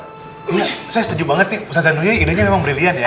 iya saya setuju banget nih ustadz zanurul idenya emang brilliant ya